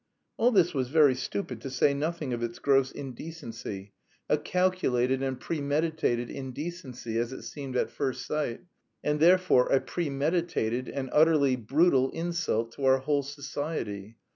All this was very stupid, to say nothing of its gross indecency A calculated and premeditated indecency as it seemed at first sight and therefore a premeditated and utterly brutal insult to our whole society.